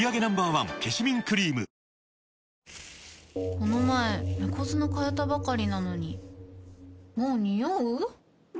この前猫砂替えたばかりなのにもうニオう？